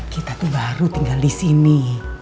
kita tuh baru tinggal di sini